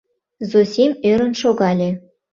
Зосим ӧрын шогале.